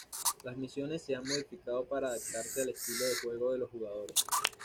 Las misiones se han modificado para adaptarse al estilo de juego de los jugadores.